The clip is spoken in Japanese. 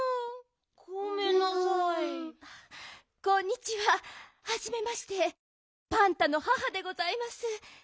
こんにちははじめましてパンタの母でございます。